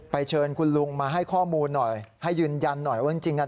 เชิญคุณลุงมาให้ข้อมูลหน่อยให้ยืนยันหน่อยว่าจริงจริงอ่ะ